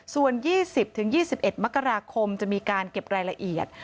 ส่วน๒๐๒๑มกราคมจะมีการเก็บรายละเอียด